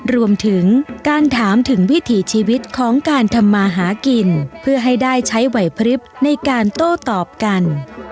รวมถึงการถามถึงวิถีชีวิตของการทำมาหากินเพื่อให้ได้ใช้ไหวพลิบในการโต้ตอบกัน